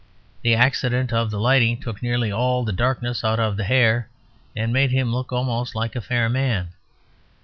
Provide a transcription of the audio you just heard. The accident of the lighting took nearly all the darkness out of the hair and made him look almost like a fair man.